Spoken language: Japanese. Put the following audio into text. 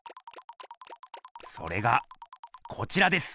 それがこちらです！